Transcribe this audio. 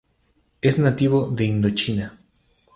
Es nativo de Indochina.